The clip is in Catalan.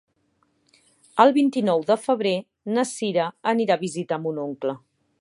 El vint-i-nou de febrer na Sira irà a visitar mon oncle.